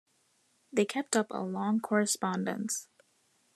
They kept up a long correspondence.